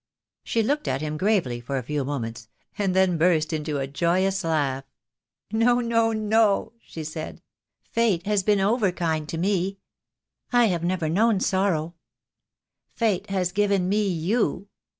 She looked at him gravely for a few moments, and then burst into a joyous laugh. "No, no, no, no," she said, "Fate has been over kind to me. I have never known sorrow. Fate has given me you.